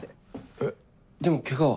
えっでもケガは？